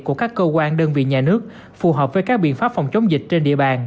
của các cơ quan đơn vị nhà nước phù hợp với các biện pháp phòng chống dịch trên địa bàn